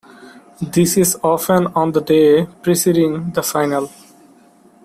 This is often on the day preceding the final.